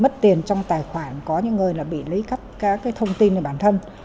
bị mất tiền trong tài khoản có những người là bị lấy khắp các cái thông tin này bản thân